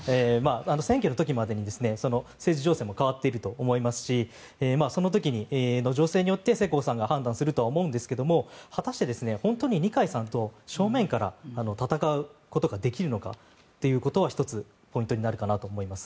選挙の時までに政治情勢も変わっていると思いますしその時の情勢によって世耕さんが判断するとは思うんですが果たして本当に二階さんと正面から戦うことができるのかということは１つポイントになると思います。